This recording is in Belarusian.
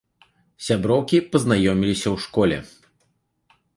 Сяброўкі пазнаёміліся ў школе.